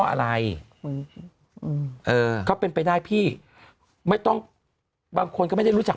อะไรอืมเออก็เป็นไปได้พี่ไม่ต้องบางคนก็ไม่ได้รู้จัก